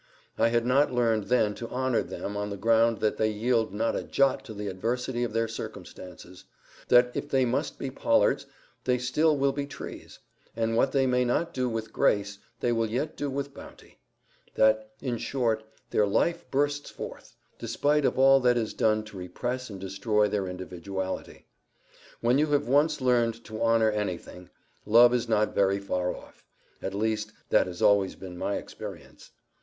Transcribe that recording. I had not learned then to honour them on the ground that they yield not a jot to the adversity of their circumstances; that, if they must be pollards, they still will be trees; and what they may not do with grace, they will yet do with bounty; that, in short, their life bursts forth, despite of all that is done to repress and destroy their individuality. When you have once learned to honour anything, love is not very far off; at least that has always been my experience.